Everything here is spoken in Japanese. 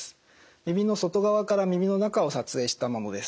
耳の外側から耳の中を撮影したものです。